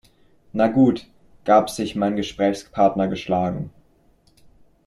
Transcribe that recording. Na gut, gab sich mein Gesprächspartner geschlagen.